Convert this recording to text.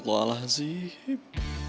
al firu'a allah zeeb